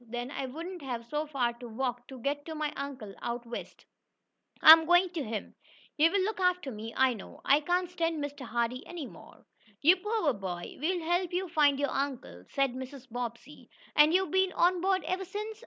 Then I wouldn't have so far to walk to get to my uncle out west. I'm going to him. He'll look after me, I know. I can't stand Mr. Hardee any more." "You poor boy. We'll help you find your uncle," said Mrs. Bobbsey. "And you've been on board ever since?"